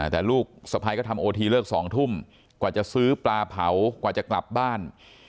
แต่ลูกสะพ้ายก็ทำโอทีเลิก๒ทุ่มกว่าจะซื้อปลาเผากว่าจะกลับบ้าน